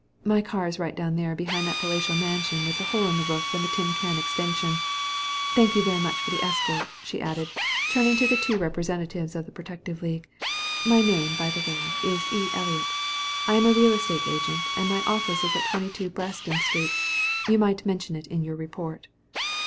"My car is right down here behind that palatial mansion with the hole in the roof and the tin can extension. Thank you very much for your escort," she added, turning to the two representatives of the Protective League. "My name, by the way, is E. Eliot. I am a real estate agent and my office is at 22 Braston Street. You might mention it in your report."